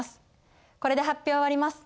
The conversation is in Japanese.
これで発表を終わります。